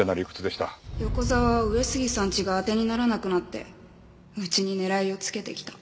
横沢は上杉さんちが当てにならなくなってうちに狙いをつけてきた。